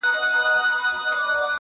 د مشاعرې مشر، ارواښاد سېلاب ساپي -